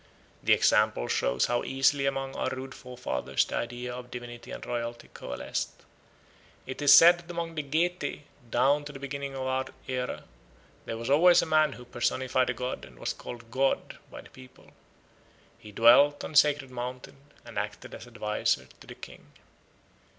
The example shows how easily among our rude forefathers the ideas of divinity and royalty coalesced. It is said that among the Getae down to the beginning of our era there was always a man who personified a god and was called God by the people. He dwelt on a sacred mountain and acted as adviser to the king.